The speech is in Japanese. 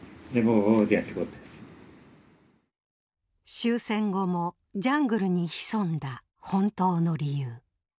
終戦後もジャングルに潜んだ本当の理由。